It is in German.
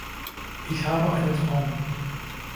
Ich habe einen Traum.